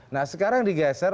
nah sekarang digeser